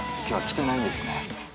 今日は来てないんですね。